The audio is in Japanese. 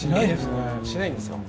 しないですね。